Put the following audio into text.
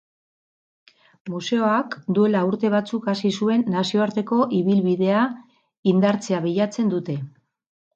Museoak duela urte batzuk hasi zuen nazioarteko ibilbidea indartzea bilatzen dute.